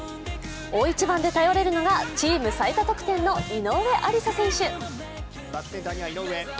大一番で頼れるのがチーム最多得点の井上愛里沙選手。